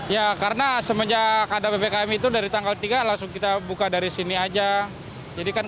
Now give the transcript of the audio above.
ya karena semenjak ada ppkm itu dari tanggal tiga langsung kita buka dari sini aja